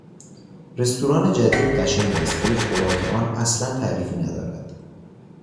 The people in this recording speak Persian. رستوران جدید قشنگ است ولی خوراک آن اصلا تعریفی ندارد.